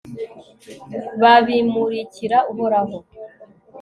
babimurikira uhoraho